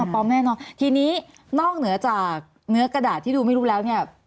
พร้อมแน่นอนทีนี้นอกเหนือจากเนื้อกระดาษที่ดูไม่รู้แล้วเนี่ย